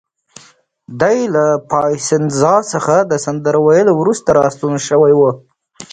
دی له پایسنزا څخه د سندرو ویلو وروسته راستون شوی و.